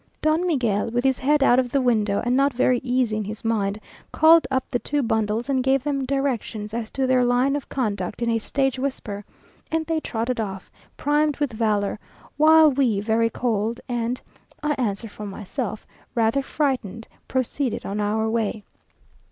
Don Miguel, with his head out of the window, and not very easy in his mind, called up the two bundles and gave them directions as to their line of conduct in a stage whisper, and they trotted off, primed with valour, while we very cold and (I answer for myself) rather frightened, proceeded on our way.